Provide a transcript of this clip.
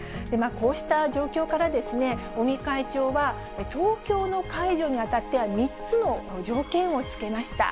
こうした状況から、尾身会長は、東京の解除にあたっては、３つの条件を付けました。